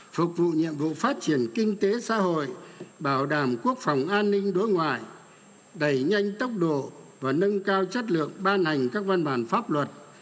phục vụ nhiệm vụ phát triển kinh tế xã hội bảo đảm quốc phòng an ninh đối ngoại đẩy nhanh tốc độ và nâng cao chất lượng ban hành các văn bản pháp luật